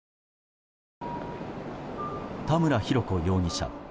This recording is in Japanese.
田村浩子容疑者。